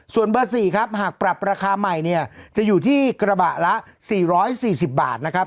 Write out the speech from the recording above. ส่วนเบอร์๔ครับหากปรับราคาใหม่เนี่ยจะอยู่ที่กระบะละ๔๔๐บาทนะครับ